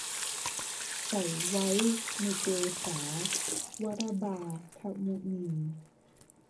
ใส่ไว้ในเกศา วระบาทะมุนี